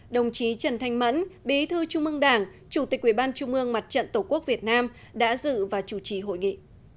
đồng chí trần thanh mẫn bí thư trung ương đảng chủ tịch ủy ban trung ương mặt trận tổ quốc việt nam đã dự và chủ trì hội nghị